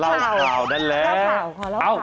เล่าข่าวนั่นแหละคอเล่าข่าวคอเล่าข่าว